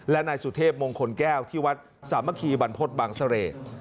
และนายสุเทพมงคลแก้วที่วัดสามัคคีบรรพฤษบางเสร่